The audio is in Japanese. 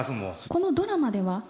このドラマでは主人公